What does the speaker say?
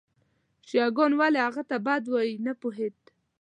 شیعه ګان ولې هغه ته بد وایي نه پوهېد.